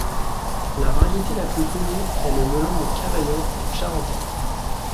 La variété la plus connue est le melon de Cavaillon ou Charentais.